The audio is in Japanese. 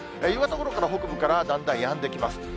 夕方ごろから、北部からだんだんやんできます。